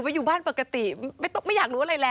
อยู่บ้านปกติไม่อยากรู้อะไรแล้ว